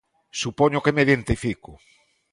Supoño que me identifico.